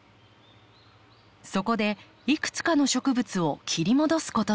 そこでいくつかの植物を切り戻すことに。